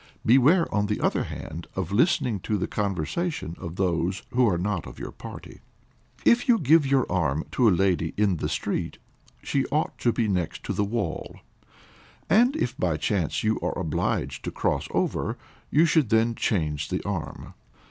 Beware on the other hand, of listening to the conversation of those who are not of your party. If you give your arm to a lady in the street, she ought to be next the wall. And if by chance, you are obliged to cross over, you should then change the arm.